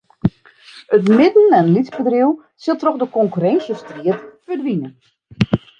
It midden- en lytsbedriuw sil troch de konkurrinsjestriid ferdwine.